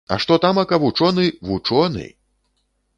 А што тамака вучоны, вучоны!